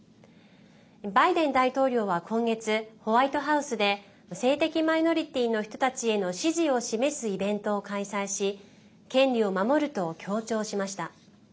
バイデン大統領は今月ホワイトハウスで性的マイノリティーの人たちへの支持を示すイベントを開催し権利を守ると強調しました。